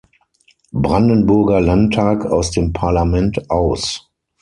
Brandenburger Landtag aus dem Parlament aus.